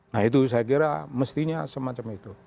nah itu saya kira mestinya semacam itu